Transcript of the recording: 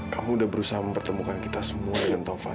kamu udah berusaha mempertemukan kita semua dengan tovan